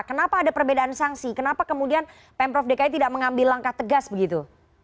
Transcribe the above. kenapa ada perbedaan sanksi kenapa kemudian pemprov dki tidak mengambil langkah tegas begitu